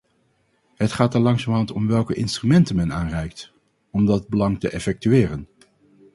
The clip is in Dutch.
Het gaat er langzamerhand om welke instrumenten men aanreikt, om dat belang te effectueren.